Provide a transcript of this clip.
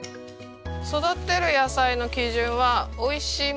育てる野菜の基準は美味しいもの。